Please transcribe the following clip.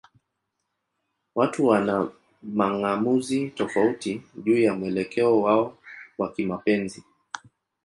Watu wana mang'amuzi tofauti juu ya mwelekeo wao wa kimapenzi.